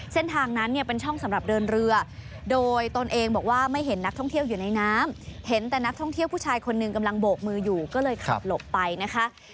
เส้นทางนั้นเนี่ยเป็นช่องสำหรับเดินเรือโดยตนเองบอกว่าไม่เห็นนักท่องเที่ยวอยู่ในน้ำเห็นแต่นักท่องเที่ยวผู้ชายคนหนึ่งกำลังโบกมืออยู่ก็เลยขับหลบไปนะคะ